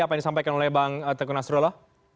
apa yang disampaikan oleh bang tekun asrola